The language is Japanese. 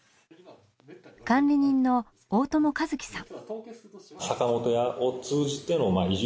管理人の大友和紀さん。